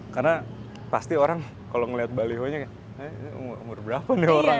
karena pasti orang kalau ngeliat balihonya kayak umur berapa nih orang